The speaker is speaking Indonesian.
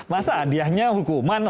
masa adiahnya hukuman